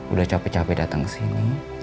udah capek capek datang kesini